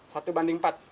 satu banding empat